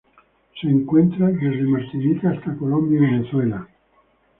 Se encuentra desde Martinica hasta Colombia y Venezuela.